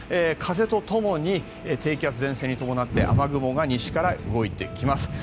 風とともに低気圧、前線に伴って雨雲が西から動いてきます。